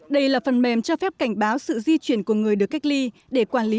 đây là phần mềm cho phép cảnh báo sự di chuyển của người được cách ly